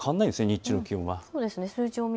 日中の気温は。